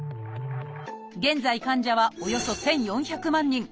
現在患者はおよそ１，４００万人。